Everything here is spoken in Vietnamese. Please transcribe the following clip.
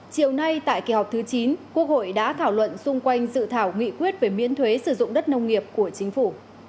chiều nay tại kỳ họp thứ chín quốc hội đã thảo luận xung quanh dự thảo nghị quyết về miễn thuế sử dụng đất nông nghiệp của chính phủ